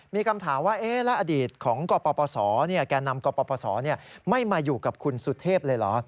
มีคำถามว่าแล้วอดีตของกปศแก่นำกปศไม่มาอยู่กับคุณสุเทพเลยเหรอ